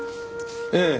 ええ。